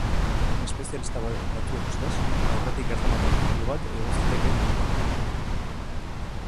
Espezialista batzuen ustez, aurretik erromatar tenplu bat egon zitekeen inguruan.